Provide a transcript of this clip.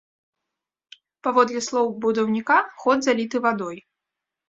Паводле слоў будаўніка, ход заліты вадой.